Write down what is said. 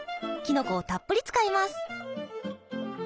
きのこをたっぷり使います。